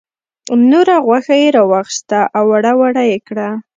نوره غوښه یې را واخیسته او وړه وړه یې کړه.